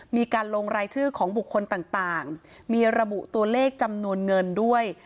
มีการลงรายชื่อของบุคคลต่างมีระบุตัวเลขจำนวนเงินด้วย